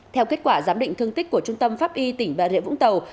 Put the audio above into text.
theo kết quả giám định thương tích của trung tâm pháp y tỉnh bà rịa vũng tàu